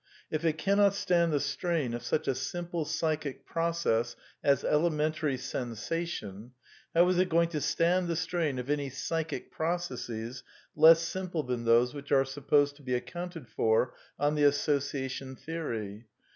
If it cannot stand the strain of such a simple psychic process as ele mentary sensation, how is it going to stand the strain of any psychic processes less simple than those which are supposed to be accounted for on the ^^ association " theory